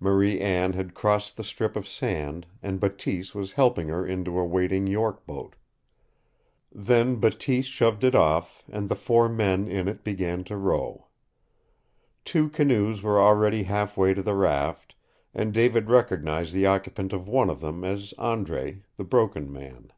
Marie Anne had crossed the strip of sand, and Bateese was helping her into a waiting York boat. Then Bateese shoved it off, and the four men in it began to row. Two canoes were already half way to the raft, and David recognized the occupant of one of them as Andre, the Broken Man.